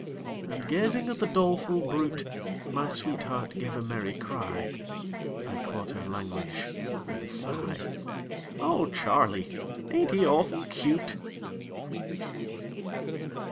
And gazing at the doleful brute My sweetheart gave a merry cry I quote her language with a sigh "O Charlie, ain't he awful cute?"